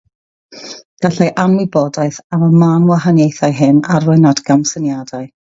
Gallai anwybodaeth am y mân wahaniaethau hyn arwain at gamsyniadau.